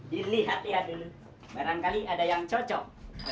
dilihat ya dulu barangkali ada yang cocok